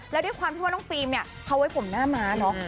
แล้วด้วยความที่ว่าน้องฟิล์มเนี่ยเขาไว้ผมหน้าม้าเนาะ